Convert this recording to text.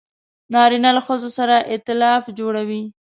نارینه له ښځو سره ایتلاف جوړوي.